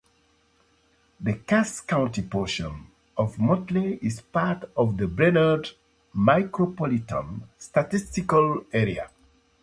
The Cass County portion of Motley is part of the Brainerd Micropolitan Statistical Area.